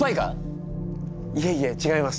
いえいえ違います